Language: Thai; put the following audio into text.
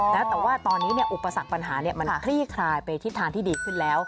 แต่ว่าตอนนี้อุปสรรคปัญหามันคลี่คลายไปทิศทางที่ดีขึ้นแล้ว